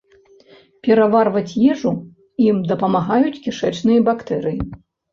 Пераварваць ежу ім дапамагаюць кішэчныя бактэрыі.